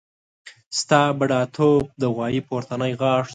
ستا بډاتوب د غوايي پورتنی غاښ شو.